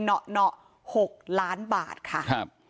เหนาะ๖ล้านบาทค่ะ